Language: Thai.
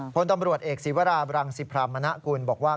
พลตำรวจเอกศีวราบรังสิพรามณกุลบอกว่า